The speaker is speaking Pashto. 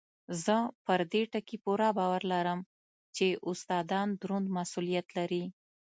زه پر دې ټکي پوره باور لرم چې استادان دروند مسؤلیت لري.